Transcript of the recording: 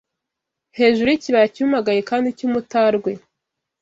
hejuru y’ikibaya cyumagaye kandi cy’umutarwe